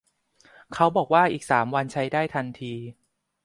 เขาบอกว่าอีกสามวันใช้ได้ทันที